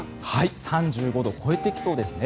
３５度を超えてきそうですね。